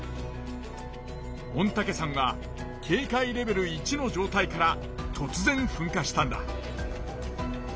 御嶽山は警戒レベル１のじょうたいから突然噴火したんだ。